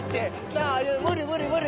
なあ無理無理無理。